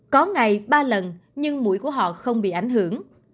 có ngày ba lần nhưng mũi của họ không bị ảnh hưởng